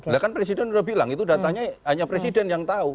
lah kan presiden sudah bilang itu datanya hanya presiden yang tahu